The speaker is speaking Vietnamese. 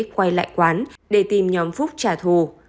quay lại quán để tìm nhóm phúc trả thù